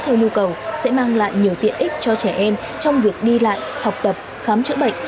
theo nhu cầu sẽ mang lại nhiều tiện ích cho trẻ em trong việc đi lại học tập khám chữa bệnh